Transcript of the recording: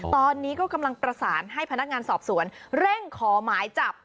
ตอนนี้ก็กำลังประสานให้พนักงานสอบสวนเร่งขอหมายจับ